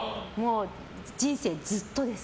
人生ずっとです。